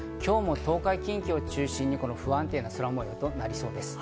今日も東海、近畿を中心に不安定な空模様となりそうです。